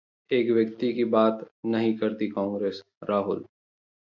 एक व्यक्ति की बात नहीं करती कांग्रेस: राहुल